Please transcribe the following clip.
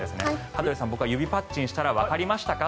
羽鳥さん、僕が指パッチンしたらわかりましたか？